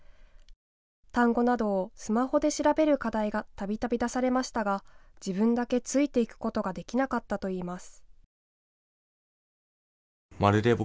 単語などをスマホで調べる課題がたびたび出されましたが自分だけついていくことができなかったといいます。